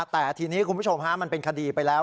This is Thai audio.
แต่ทีนี้คุณผู้ชมฮะมันเป็นคดีไปแล้ว